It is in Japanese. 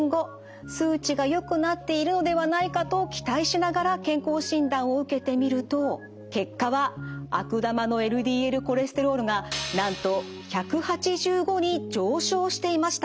数値がよくなっているのではないかと期待しながら健康診断を受けてみると結果は悪玉のＬＤＬコレステロールがなんと１８５に上昇していました。